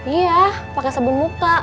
iya pake sabun muka